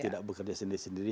tidak bekerja sendiri